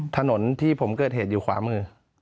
ถนนที่ผมเกิดเหตุอยู่ขวามือ